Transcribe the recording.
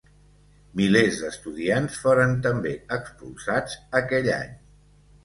Milers d'estudiants foren també expulsats aquell any.